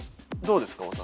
どうですか？